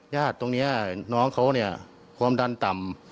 ตรงนี้น้องเขาเนี่ยความดันต่ำ